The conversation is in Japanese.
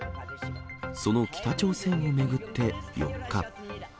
その北朝鮮を巡って４日。